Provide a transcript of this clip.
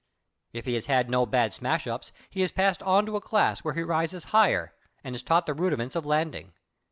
If he has no bad smash ups he is passed on to a class where he rises higher, and is taught the rudiments of landing.